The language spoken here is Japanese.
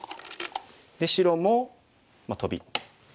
白もトビ。